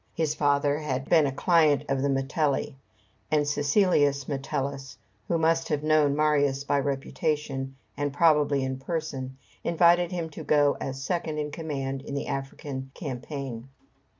His father had been a client of the Metelli; and Cæcilius Metellus, who must have known Marius by reputation and probably in person, invited him to go as second in command in the African campaign.